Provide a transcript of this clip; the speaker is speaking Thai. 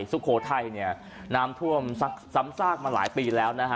สุโขทัยเนี่ยน้ำท่วมซ้ำซากมาหลายปีแล้วนะฮะ